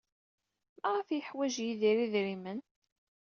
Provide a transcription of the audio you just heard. Maɣef ay yeḥwaj Yidir idrimen?